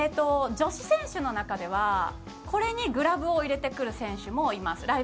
女子選手の中ではこれにグラブを入れてくる選手もいます。